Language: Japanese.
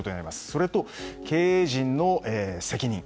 それと、経営陣の責任。